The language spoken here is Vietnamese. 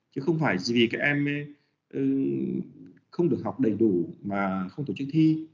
chứ không phải vì các em không được học đầy đủ mà không tổ chức thi